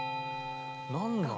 何なの？